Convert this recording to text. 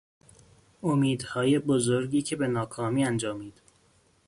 امیدهای بزرگی که به ناکامی انجامید